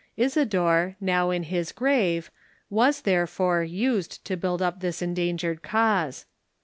Isidore, now in his grave, was, therefore, used to build up this en dangered cause.